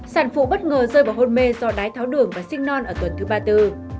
sản phụ bất ngờ rơi vào hôn mê do đái tháo đường và sinh non tuần thứ ba tư